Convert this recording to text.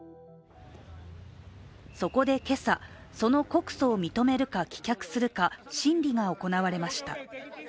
そこで今朝、その告訴を認めるか棄却するか審理が行われました。